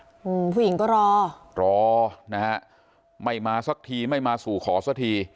อืมผู้หญิงก็รอรอนะฮะไม่มาสักทีไม่มาสู่ขอสักที